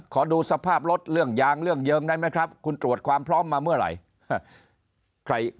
ขอดูสภาพรถเรื่องยางเรื่องเยิงได้ไหมครับคุณตรวจความพร้อมมาเมื่อไหร่